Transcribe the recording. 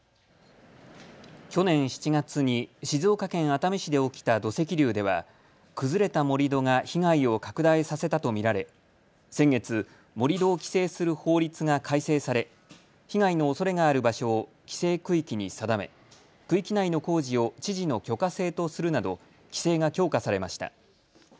去年７月に静岡県熱海市で起きた土石流では崩れた盛り土が被害を拡大させたと見られ先月、盛り土を規制する法律が改正され、被害のおそれがある場所を規制区域に定め区域内の工事を知事の許可制とするなど規制が強化されました。